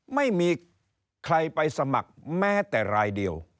ไม่มีใครไปสมัครแม้แต่รายเดียว